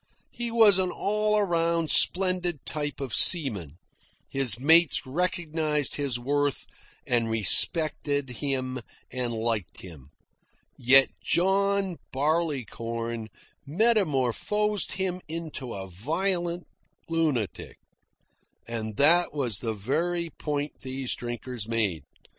He was an all round splendid type of seaman; his mates recognised his worth, and respected him and liked him. Yet John Barleycorn metamorphosed him into a violent lunatic. And that was the very point these drinkers made.